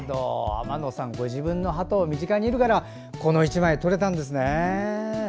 天野さん、ご自分のはとが身近にいるからこの１枚が撮れたんですね。